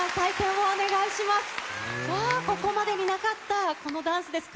うわぁ、ここまでになかった、このダンスです。